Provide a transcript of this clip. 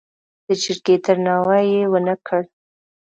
د جرګې درناوی یې ونه کړ.